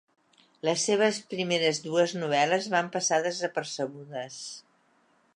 Les seves primeres dues novel·les van passar desapercebudes.